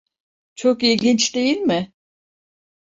Çok ilginç, değil mi?